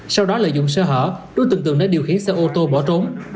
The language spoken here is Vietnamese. sau đó lợi dụng sơ hở đối tượng tường đã điều khiển xe ô tô bỏ trốn